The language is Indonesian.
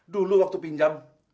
dulu waktu pinjam